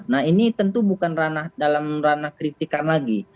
nah ini tentu bukan dalam ranah kritikan lagi